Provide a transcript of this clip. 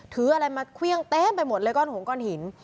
ถืออะไรมาเครื่องเต็มไปหมดเลยก้อนหงก้อนหิน